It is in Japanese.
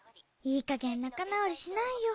いいかげん仲直りしないよ。